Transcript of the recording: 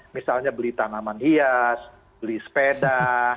misalnya beli tanaman hias beli sepeda